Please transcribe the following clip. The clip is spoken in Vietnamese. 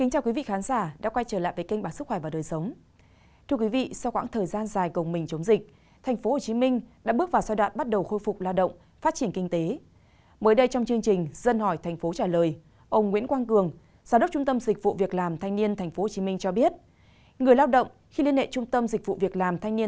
hãy đăng ký kênh để ủng hộ kênh của chúng mình nhé